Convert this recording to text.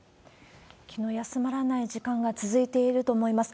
気の休まらない時間が続いていると思います。